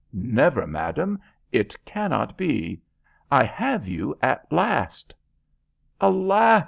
"Never, madam. It cannot be. I have you at last." "Alas!"